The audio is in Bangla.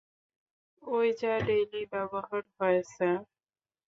ঐ যা ডেইলি ব্যবহার হয়, স্যার।